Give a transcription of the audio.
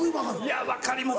いや分かります